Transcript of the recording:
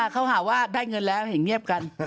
มันต้องหาว่าได้เงินแล้วอย่างเงียบกัน